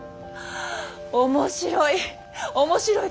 面白い！